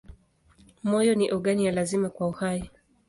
Moyo ni ogani ya lazima kwa uhai.